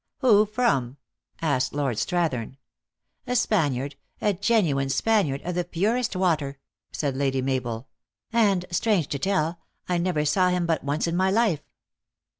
" Who from ?" asked Lord Strathern. " A Spaniard a genuine Spaniard, of the purest water," said Lady Mabel. " And, strange to tell, I never saw him but once in my life."